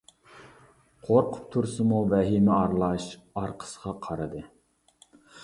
قورقۇپ تۇرسىمۇ، ۋەھىمە ئارىلاش ئارقىسىغا قارىدى.